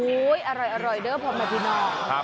อุ๊ยอร่อยเดิมพอมาที่นอก